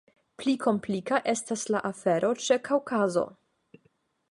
Pli komplika estas la afero ĉe Kaŭkazo.